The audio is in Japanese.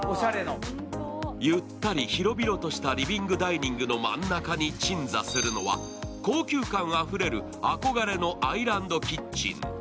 ゆったり広々としたリビングダイニングの真ん中に鎮座するのは、高級感あふれる憧れのアイランドキッチン。